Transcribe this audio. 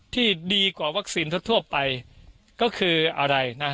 ที่ดีกว่าวัคซีนทั่วไปก็คืออะไรนะ